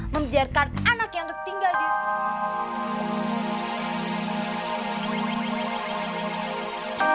membiarkan anaknya untuk tinggal di rumah petak